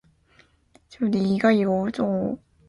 内蒙古大学是一个有年轻的学校。